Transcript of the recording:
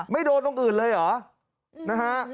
ไม่โดดตรงอื่นเลยหรอ